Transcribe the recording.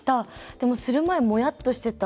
でもする前、もやっとしてた。